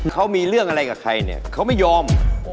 เขามีเรื่องอะไรกับใครเนี่ยเขาไม่ยอม